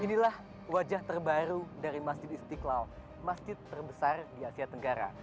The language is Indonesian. inilah wajah terbaru dari masjid istiqlal masjid terbesar di asia tenggara